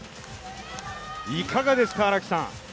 いかがですか、荒木さん。